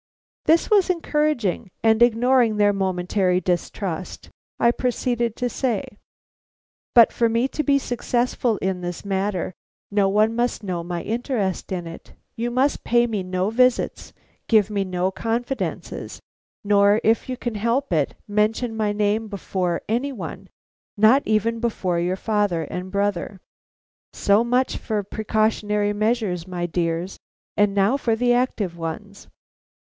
This was encouraging, and ignoring their momentary distrust, I proceeded to say: "But for me to be successful in this matter, no one must know my interest in it. You must pay me no visits, give me no confidences, nor, if you can help it, mention my name before any one, not even before your father and brother. So much for precautionary measures, my dears; and now for the active ones.